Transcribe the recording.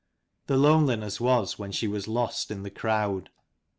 The loneliness was when she was lost in the crowd.